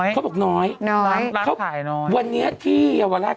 เป็นเจนูเจของมัก